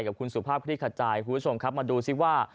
กับคุณสุภาพคลิกขจายคุณผู้ชมครับมาดูซิว่า